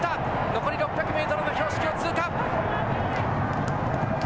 残り６００メートルの標識を通過！